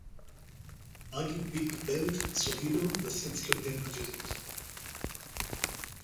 Баги Биг Бенд со видео за Светскиот ден на џезот